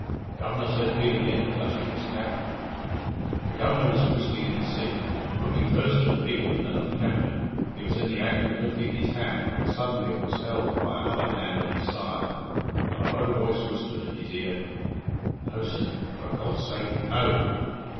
"Governor," said Pete again, touching his cap. The Governor was twisting in his seat. Looking first at Pete, and then at the captain, he was in the act of lifting his hand when suddenly it was held by another hand at his side, and a low voice whispered at his ear, "No, sir; for God's sake, no!"